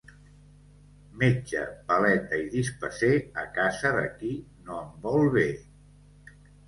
Metge, paleta i dispeser a casa de qui no em vol bé.